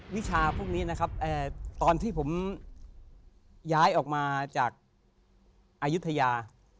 วิชาพวกนี้นะครับตอนที่ผมย้ายออกมาจากอายุทยา